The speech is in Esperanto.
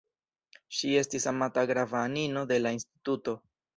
Ŝi estis amata grava anino de la instituto.